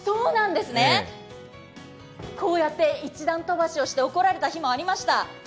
こうやって一段飛ばしをして怒られた日もありました。